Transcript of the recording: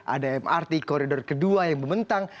ada mrt koridor kedua yang membentang